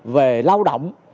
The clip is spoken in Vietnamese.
về lao động